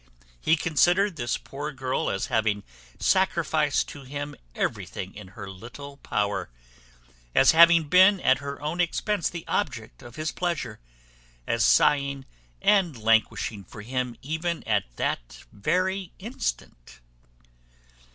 He considered this poor girl as having sacrificed to him everything in her little power; as having been at her own expense the object of his pleasure; as sighing and languishing for him even at that very instant.